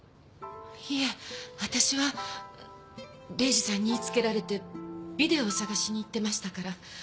いいえ私は礼司さんに言いつけられてビデオを探しに行ってましたから。